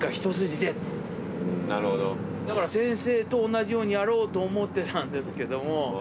だから先生と同じようにやろうと思ってたんですけども。